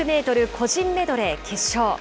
個人メドレー決勝。